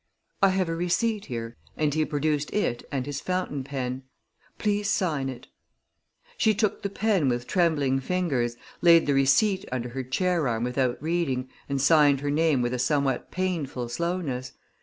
"I have a receipt here," and he produced it and his fountain pen. "Please sign it." She took the pen with trembling fingers, laid the receipt upon her chair arm without reading, and signed her name with a somewhat painful slowness.